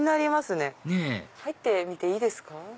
ねぇ入ってみていいですか？